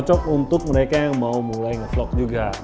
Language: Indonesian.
cocok untuk mereka yang mau mulai nge vlog juga